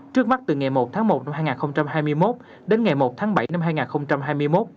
trước mắt từ ngày một tháng một năm hai nghìn hai mươi một đến ngày một tháng bảy năm hai nghìn hai mươi một